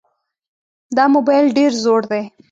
دا موبایل ډېر زوړ دی.